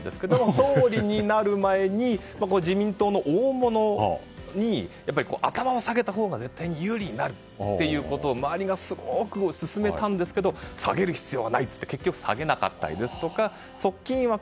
総理になる前に自民党の大物に頭を下げたほうが絶対に有利になると周りがすごく進めたんですが下げる必要はない！って言って結局、下げなかったりとか側近いわく